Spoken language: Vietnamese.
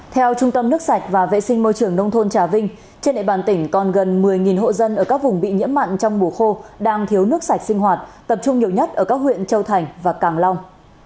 theo trung tâm nước sạch và vệ sinh môi trường nông thôn trà vinh trên địa bàn tỉnh còn gần một mươi hộ dân ở các vùng bị nhiễm mặn trong mùa khô đang thiếu nước sạch sinh hoạt tập trung nhiều nhất ở các huyện châu thành và càng long